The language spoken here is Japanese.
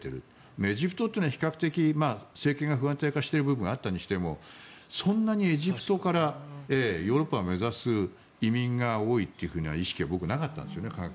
エジプトというのは比較的政権が不安定化している部分があったにしてもそんなにエジプトからヨーロッパを目指す移民が多いというような意識は僕はなかったんですよね。